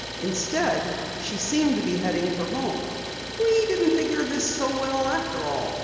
Instead she seemed to be heading for home. "We didn't figure this so well after all!"